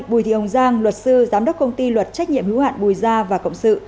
bùi thị hồng giang luật sư giám đốc công ty luật trách nhiệm hữu hạn bùi gia và cộng sự